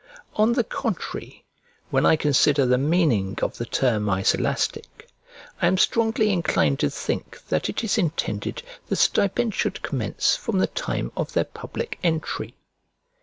On the contrary, when I consider the meaning of the term Iselastic, I am strongly inclined to think that it is intended the stipend should commence from the time of their public entry.